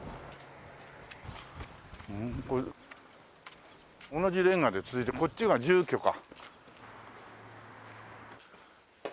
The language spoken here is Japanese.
これ同じれんがで続いてこっちが住居か。